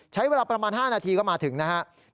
ใช้เวลาประมาณ๕นาทีก็มาถึงนะครับ